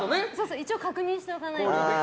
一応、確認しておかないと。